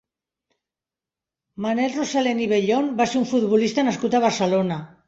Manel Rosalén i Bellón va ser un futbolista nascut a Barcelona.